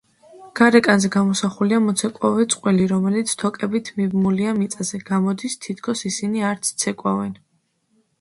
გარეკანზე გამოსახულია მოცეკვავე წყვილი, რომელიც თოკებით მიბმულია მიწაზე, გამოდის, თითქოს ისინი არც ცეკვავენ.